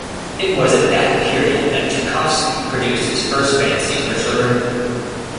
It was at that period that Chukovsky produced his first fantasies for children.